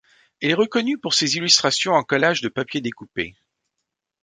Elle est reconnue pour ses illustrations en collage de papier découpé.